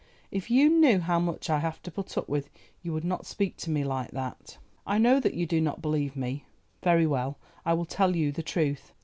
"If you knew how much I have to put up with, you would not speak to me like that. I know that you do not believe me; very well, I will tell you the truth.